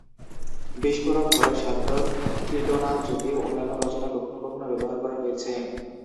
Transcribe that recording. বিস্ফোরক ভরাট সাধারণত ত্রিটোনাল, যদিও অন্যান্য রচনা কখনও কখনও ব্যবহার করা হয়েছে।